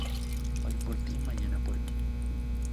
Hoy por ti y mañana por mí